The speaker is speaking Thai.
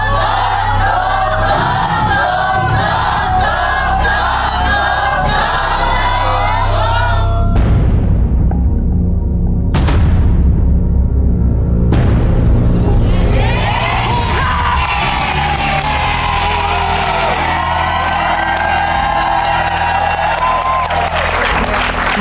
ครอบครับ